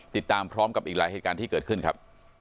ติดตามพร้อมกับอีกหลายเหตุการณ์ที่เกิดขึ้นครับ